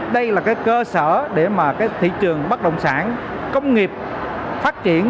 đây là cơ sở để thị trường bất động sản công nghiệp phát triển